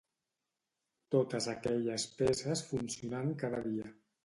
Totes aquelles peces funcionant cada dia.